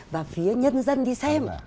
và phía nhân dân đi xem